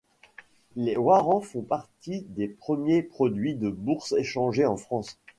Les warrants font partie des premiers produits de bourse échangés en France.